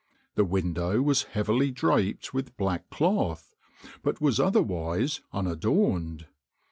The window was heavily draped with black cloth, but was otherwise unadorned.